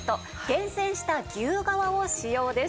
厳選した牛革を使用です。